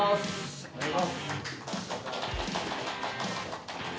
お願いします。